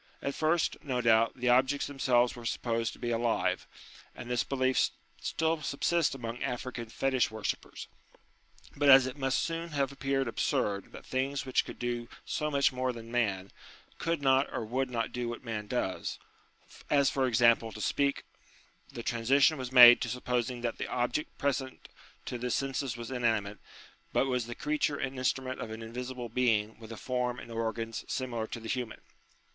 At first, no doubt, the objects them selves were supposed to be alive ; and this belief still subsists among African fetish worshippers. But as it must soon have appeared absurd that things which could do so much more than man, could not or would not do what man does, as for example to speak, the transition was made to supposing that the object pre sent to the senses was inanimate, but was the creature and instrument of an invisible being with a form and organs similar to the human.